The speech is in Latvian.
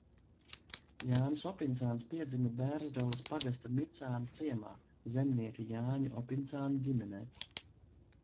Jānis Opincāns piedzima Bērzgales pagasta Micānu ciemā zemnieka Jāņa Opincāna ģimenē.